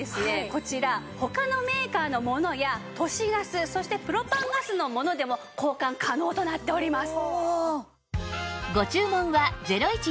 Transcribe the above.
こちら他のメーカーのものや都市ガスそしてプロパンガスのものでも交換可能となっております。